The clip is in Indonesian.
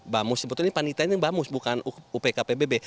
bamus sebetulnya ini panitain yang bamus bukan upkpbb